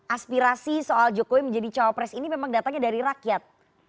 aspirasi soal jokowi menjadi cawapres ini memang datangnya dari rakyat